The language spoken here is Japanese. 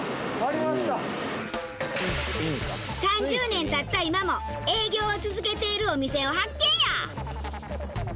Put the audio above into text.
３０年経った今も営業を続けているお店を発見や！